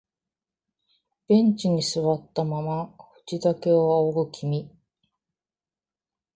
ベンチに座ったまま藤棚を仰ぐ君、